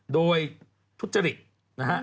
โดยทุจริตนะฮะ